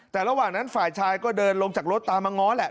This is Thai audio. แต่ระหว่างนั้นฝ่ายชายก็เดินลงจากรถตามมาง้อแหละ